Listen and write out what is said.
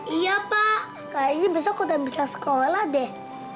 iya pak ini besok udah bisa sekolah deh